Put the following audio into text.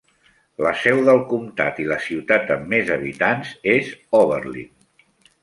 La seu del comptat i la ciutat amb més habitants és Oberlin.